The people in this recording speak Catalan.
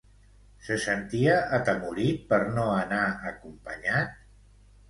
Se sentia atemorit per no anar acompanyat?